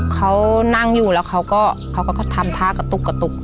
เขานั่งอยู่แล้วเขาก็ทำท่ากระตุกกระตุก